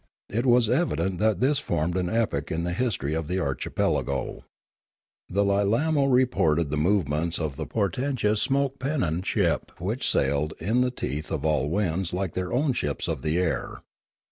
It was evident that this formed an epoch in the history of the archipelago. The 196 Limanora Lilaino reported the movements of the portentous smoke pennoned ship which sailed in the teeth of all winds like their own ships of the air.